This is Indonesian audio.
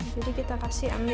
jadi kita ambil daunnya aja